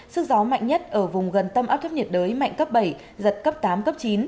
sức gió mạnh nhất ở vùng gần tâm áp thấp nhiệt đới mạnh cấp bảy giật cấp tám cấp chín